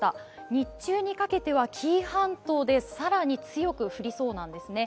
日中にかけては紀伊半島で更に強く降りそうなんですね。